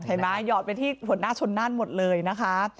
หยอดไปที่หัวหน้าชนนั่นหมดเลยนะคะ